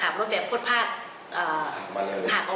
ไม่ใช่เลย